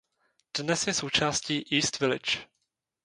Dnes je součástí East Village.